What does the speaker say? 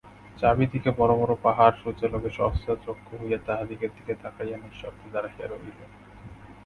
চারি দিকে বড়ো বড়ো পাহাড় সূর্যালোকে সহস্রচক্ষু হইয়া তাহাদিগের দিকে তাকাইয়া নিঃশব্দে দাঁড়াইয়া রহিল।